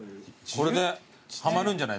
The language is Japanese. これでハマるんじゃない？